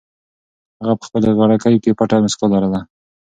هغه په خپلې غړکۍ کې پټه موسکا لري.